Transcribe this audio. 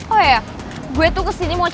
oh iya gue tuh kesini mau cari pangeran